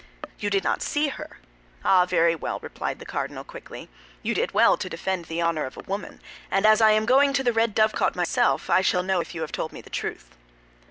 "You did not see her? Ah, very well," replied the cardinal, quickly. "You did well to defend the honor of a woman; and as I am going to the Red Dovecot myself, I shall know if you have told me the truth."